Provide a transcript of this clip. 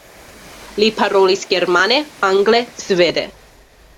Li parolis germane, angle, svede.